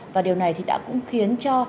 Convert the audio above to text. và điều này đã cũng khiến cho